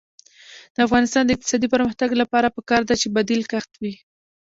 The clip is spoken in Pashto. د افغانستان د اقتصادي پرمختګ لپاره پکار ده چې بدیل کښت وي.